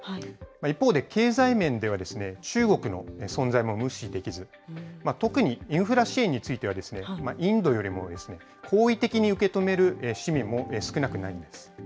一方で経済面では、中国の存在も無視できず、特にインフラ支援については、インドよりも好意的に受け止める市民も少なくないのです。